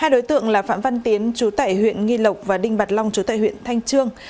hai đối tượng là phạm văn tiến chú tải huyện nghi lộc và đinh bạc long chú tại huyện thanh trương